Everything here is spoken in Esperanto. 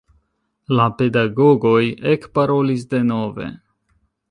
La pedagogoj ekparolis denove.